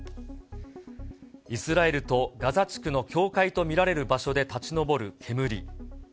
イスラエルとガザ地区の境界と見られる場所で立ち上る煙。